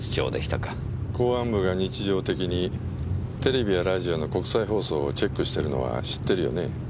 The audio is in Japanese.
公安部が日常的にテレビやラジオの国際放送をチェックしてるのは知ってるよね？